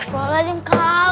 sudah razim kak